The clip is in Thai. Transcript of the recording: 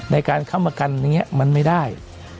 ในการข้ำประกันมันไม่ได้